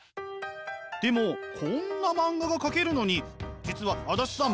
でもこんな漫画が描けるのに実は足立さん